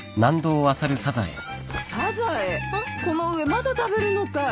サザエこの上まだ食べるのかい？